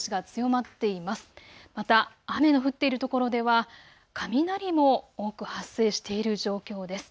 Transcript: また雨の降っているところでは雷も多く発生している状況です。